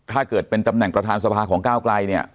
ถ้าเกิดเป็นตำแหน่งประธานสภาของก้าวไกลเนี่ย